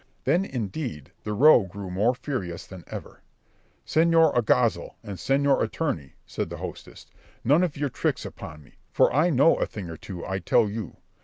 Then indeed the row grew more furious than ever. "Señor Alguazil and Señor Attorney," said the hostess, "none of your tricks upon me, for I know a thing or two, I tell you.